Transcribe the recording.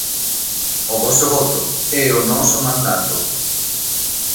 O voso voto é o noso mandato.